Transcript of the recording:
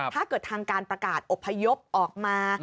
ถ้าเกิดทางการประกาศอบพยพออกมา